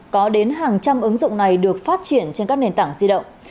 có đến hàng trăm ứng dụng này được phát triển trên các nền tảng di động